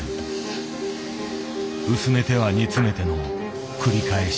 薄めては煮詰めての繰り返し。